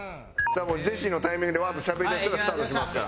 ジェシーのタイミングでわーっとしゃべりだしたらスタートしますから。